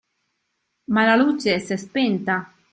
Ma la luce s'è spenta.